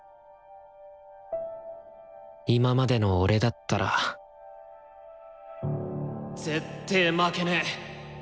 今までの俺だったらぜってぇ負けねぇ！